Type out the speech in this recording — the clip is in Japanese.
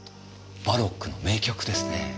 バロックの名曲ですね。